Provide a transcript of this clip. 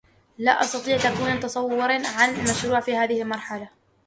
لا أستطيع تكوين تصورٍ عن المشروع في هذه المرحلة.